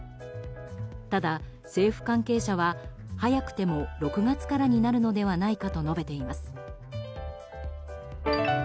ただ、政府関係者は、早くても６月からになるのではないかと述べています。